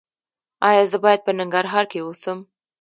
ایا زه باید په ننګرهار کې اوسم؟